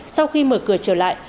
sau khi mở cửa trở lại